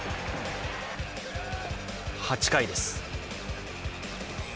８回です。